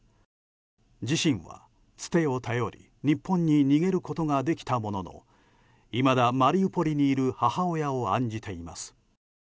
自身は、つてを頼り日本に逃げることができたもののいまだマリウポリにいる母親を案じています。